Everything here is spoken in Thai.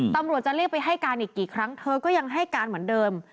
ตำรวจจะเรียกไปให้การอีกกี่ครั้งเธอก็ยังให้การเหมือนเดิม